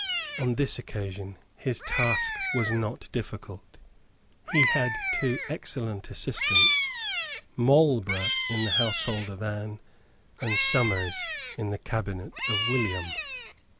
On this occasion his task was not difficult. He had two excellent assistants, Marlborough in the household of Anne, and Somers in the cabinet of William.